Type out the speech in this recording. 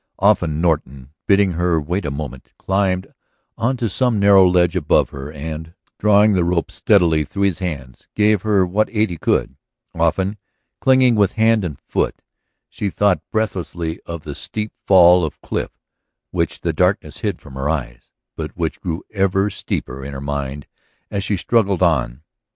Often Norton, bidding her wait a moment, climbed on to some narrow ledge above her and, drawing the rope steadily through his hands, gave her what aid he could; often, clinging with hand and foot she thought breathlessly of the steep fall of cliff which the darkness hid from her eyes, but which grew ever steeper in her mind as she struggled on.